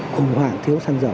cùng hoảng thiếu xăng dầu